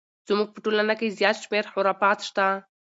زموږ په ټولنه کې زیات شمیر خرافات شته!